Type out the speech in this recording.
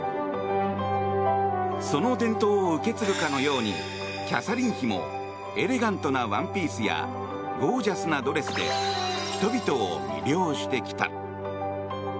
その伝統を受け継ぐかのようにキャサリン妃もエレガントなワンピースやゴージャスなドレスで人々を魅了してきた。